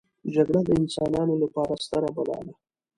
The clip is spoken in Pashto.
جګړه د انسانانو لپاره ستره بلا ده